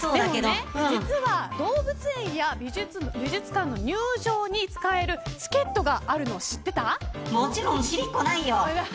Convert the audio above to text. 実は動物園や美術館の入場に使えるチケットがあるのもちろん知りっこないよ。